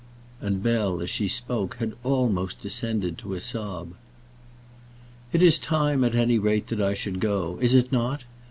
And Bell, as she spoke, had almost descended to a sob. "It is time, at any rate, that I should go; is it not?